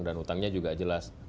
dan utangnya juga jelas